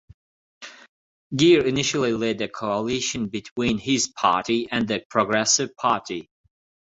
Geir initially led a coalition between his party and the Progressive Party.